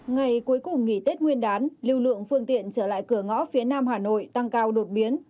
ngày cuối cùng nghỉ tết nguyên đán lưu lượng phương tiện trở lại cửa ngõ phía nam hà nội tăng cao đột biến